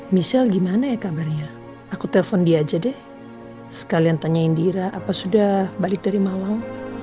michelle gimana ya kabarnya aku telepon dia aja deh sekalian tanya indira apa sudah balik dari malam